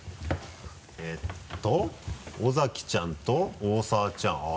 尾崎ちゃんと大澤ちゃん。